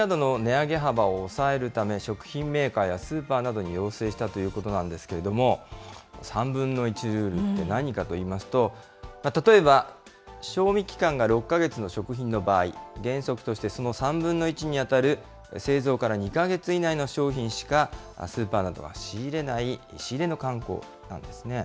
食品などの値上げ幅を抑えるため、食品メーカーや、スーパーなどに要請したということなんですけれども、３分の１ルールって何かといいますと、例えば賞味期間が６か月の食品の場合、原則としてその３分の１に当たる製造から２か月以内の商品しかスーパーなどが仕入れない、仕入れの慣行なんですね。